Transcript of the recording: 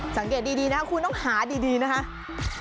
สังเกตดีนะคุณต้องหาดีนะค่ะ